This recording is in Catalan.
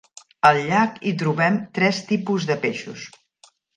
Al llac hi trobem tres tipus de peixos.